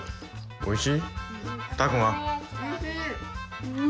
おいしい！